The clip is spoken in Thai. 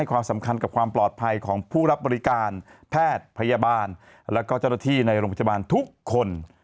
ความสำคัญกับความปลอดภัยของผู้รับบริการแพทย์พยาบาลแล้วก็เจ้าหน้าที่ในโรงพยาบาลทุกคน